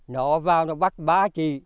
nó vào bắt ba chị